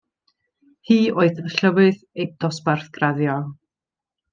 Hi oedd llywydd ei dosbarth graddio.